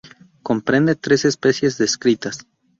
Comprende tres especies descritas.